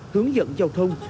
hướng dẫn giao thông